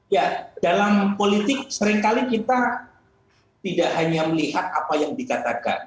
ya dalam politik seringkali kita tidak hanya melihat apa yang dikatakan